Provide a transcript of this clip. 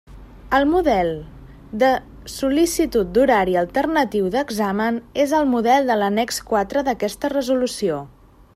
El model de sol·licitud d'horari alternatiu d'examen és el model de l'annex quatre d'aquesta resolució.